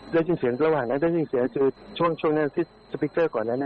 ได้ยินเสียงระหว่างนั้นได้ยินเสียงคือช่วงนั้นที่สปิกเกอร์ก่อนนั้น